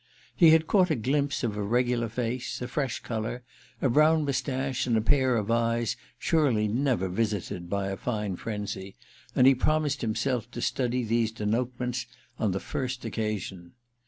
He had caught a glimpse of a regular face, a fresh colour, a brown moustache and a pair of eyes surely never visited by a fine frenzy, and he promised himself to study these denotements on the first occasion.